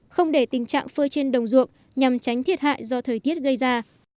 không để tình trạng phơi trên đồng ruộng nhằm tránh thiệt hại do thời tiết gây ra